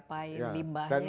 bimbahnya ini kan harus jadi